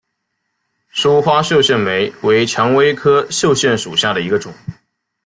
疏花绣线梅为蔷薇科绣线梅属下的一个种。